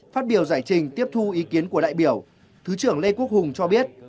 phát biểu giải trình tiếp thu ý kiến của đại biểu thứ trưởng lê quốc hùng cho biết